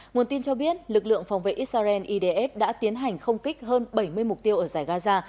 nguồn tin cho biết lực lượng phòng vệ israel idf đã tiến hành không kích hơn bảy mươi mục tiêu ở giải gaza